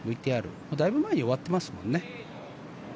だいぶ前に終わってますもんね。